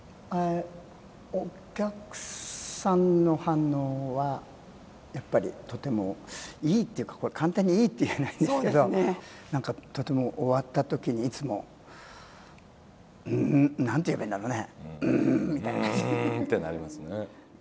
お客さんの反応はやっぱりとてもいいというか、簡単にいいと言えないですけどもなんかとても、終わったときにいつもなんていえばいいんだろううんってなりますよね。